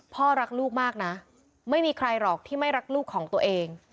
พ่อรักลูกมากนะไม่มีใครหรอกที่ไม่รักลูกของตัวเอง